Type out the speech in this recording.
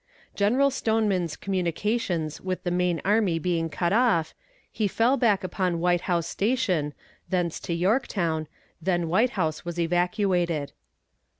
General Stoneman's communications with the main army being cut off, he fell back upon White House Station, thence to Yorktown, when White House was evacuated.